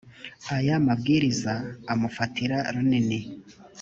aya mabwiriza amufatira runini